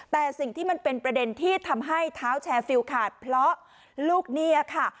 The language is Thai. แต่สิ่งที่มันเป็นประเด็นที่ทำให้เท้าแชร์ฟิลขาดเพราะลูกเนี่ยค่ะ